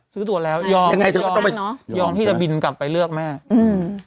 ซื้อตัวแล้วยอมที่จะบินกลับไปเลือกไหม